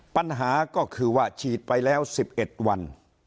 ปัญหาก็คือว่าฉีดไปแล้ว๑๑วัน